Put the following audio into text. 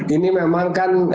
ini memang kan